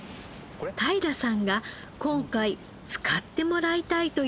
太平さんが今回使ってもらいたいというのは。